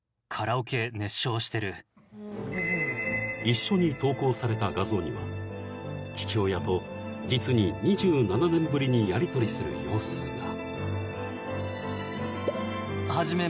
［一緒に投稿された画像には父親と実に２７年ぶりにやりとりする様子が］